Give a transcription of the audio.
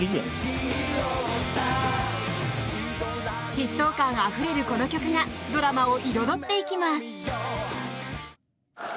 疾走感あふれるこの曲がドラマを彩っていきます。